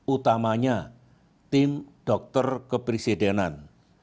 utamanya tim dokter kepresidenan